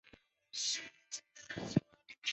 上奥里藏特是巴西戈亚斯州的一个市镇。